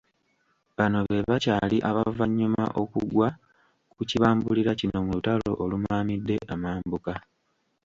Bano be bakyali abavannyuma okugwa ku kibambulira kino mu lutalo olumaamidde amambuka.